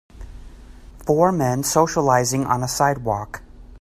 Four men socializing on a sidewalk.